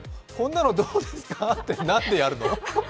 こんなのどうですかってなんでやるの？